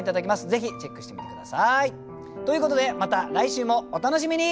ぜひチェックしてみて下さい。ということでまた来週もお楽しみに。